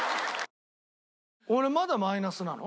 俺まだマイナスなの？